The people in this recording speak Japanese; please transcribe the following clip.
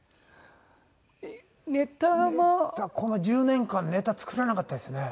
この１０年間ネタ作らなかったですね。